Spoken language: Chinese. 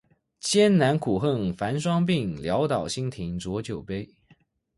艰难苦恨繁霜鬓，潦倒新停浊酒杯